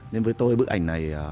nên với tôi bức ảnh này